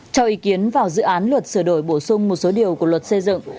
cho ý kiến vào dự án luật sửa đổi bổ sung một số điều của luật xây dựng